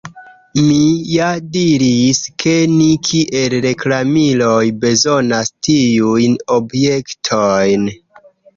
Mi ja diris, ke ni kiel reklamiloj bezonas tiujn objektojn.